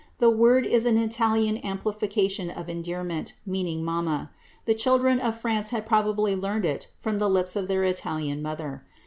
The word is an Italian amplification of endeorment, meaning mamma: the children of France had probably learned it from the lips of their Italian mother.